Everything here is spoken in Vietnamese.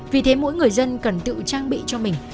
vì thế mỗi người dân cần tự trang bị cho mình